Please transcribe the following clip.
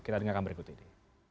kita dengarkan berikut ini